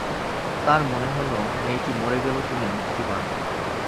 তাঁর মনে হল, মেয়েটি মরে গেলে তিনি মুক্তি পান।